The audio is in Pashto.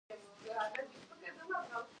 ډيپلومات د نړېوالو اړیکو بنسټ جوړوي.